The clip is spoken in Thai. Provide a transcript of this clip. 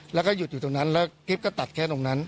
แล้วก็หยุดอยู่ตรงนั้นแล้วคลิปก็ตัดแค่ตรงนั้น